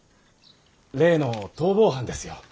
例の逃亡犯ですよ。